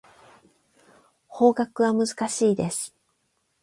法学は難しいです。